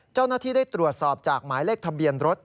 เจ้าหน้าที่ได้ตรวจสอบจากหมายเลขทะเบียนรถ